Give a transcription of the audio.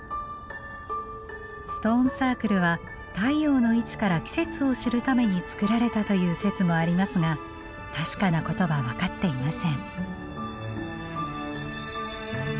ストーンサークルは太陽の位置から季節を知るために作られたという説もありますが確かなことは分かっていません。